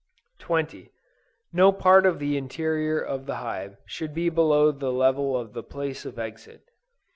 20. No part of the interior of the hive should be below the level of the place of exit.